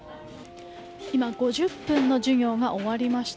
今５０分の授業が終わりました。